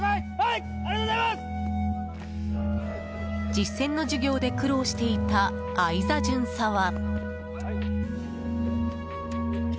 実践の授業で苦労していた相座巡査は。